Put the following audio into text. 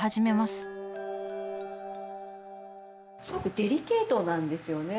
すごくデリケートなんですよね